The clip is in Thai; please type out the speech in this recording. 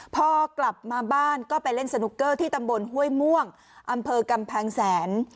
พอกลับมาบ้านก็ไปเล่นสนุกเกอร์ที่ตำบลห้วยม่วงอำเภอกำแพงแสน